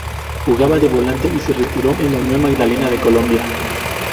Jugaba de volante y se retiró en el Unión Magdalena de Colombia.